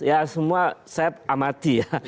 ya semua saya amati ya